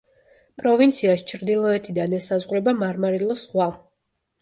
პროვინციას ჩრდილოეთიდან ესაზღვრება მარმარილოს ზღვა.